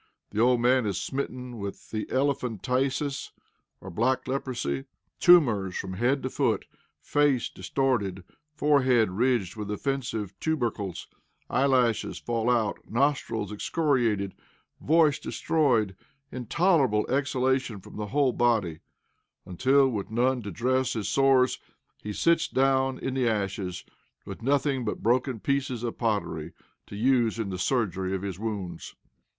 The old man is smitten with the elephantiasis, or black leprosy. Tumors from head to foot; face distorted; forehead ridged with offensive tubercles; eyelashes fall out; nostrils excoriated; voice destroyed; intolerable exhalation from the whole body; until, with none to dress his sores, he sits down in the ashes, with nothing but broken pieces of pottery to use in the surgery of his wounds.